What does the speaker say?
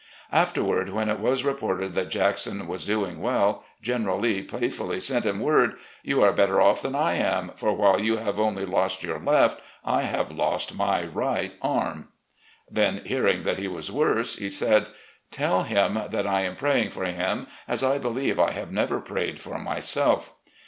Afterward, when it was reported that Jackson was doing well. General Lee playfully sent him word: " You are better off than I am, for while you have only lost your left, I have lost my right arm." Then, hearing that he was worse, he said: " Tell him that I am praying for him as I believe I have never prayed for myself."